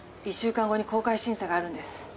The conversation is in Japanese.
１週間後に公開審査があるんです。